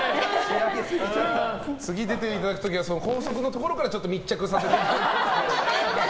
次出ていただく時は高速のところから密着させていただいて。